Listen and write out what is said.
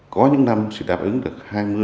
có những năm chỉ đáp ứng được hai mươi